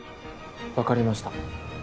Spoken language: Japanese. わかりました。